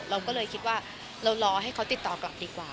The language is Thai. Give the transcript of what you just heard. เราก็เลยคิดว่าเรารอให้เขาติดต่อกลับดีกว่า